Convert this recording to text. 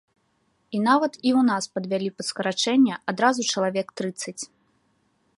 І нават і ў нас падвялі пад скарачэнне адразу чалавек трыццаць.